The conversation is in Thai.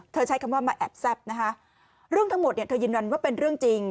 ใช้คำว่ามาแอบแซ่บนะคะเรื่องทั้งหมดเนี่ยเธอยืนยันว่าเป็นเรื่องจริง